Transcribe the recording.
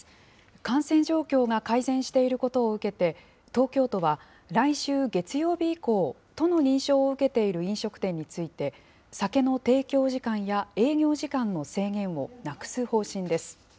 感染状況が改善していることを受けて、東京都は来週月曜日以降、都の認証を受けている飲食店について、酒の提供時間や営業時間の制限をなくす方針です。